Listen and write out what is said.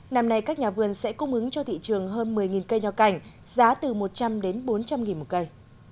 năm nay các nhà vườn sẽ cung ứng cho thị trường hơn một mươi cây nho cảnh giá từ một trăm linh đến bốn trăm linh nghìn một cây